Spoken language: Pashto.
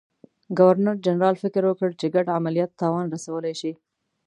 ګورنرجنرال فکر وکړ چې ګډ عملیات تاوان رسولای شي.